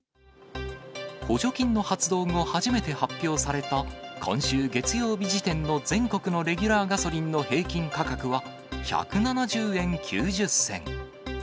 補助金の発動後初めて発表された、今週月曜日時点の全国のレギュラーガソリンの平均価格は、１７０円９０銭。